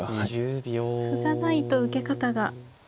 歩がないと受け方が。